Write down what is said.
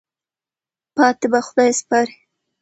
پاتې په خدای سپارئ.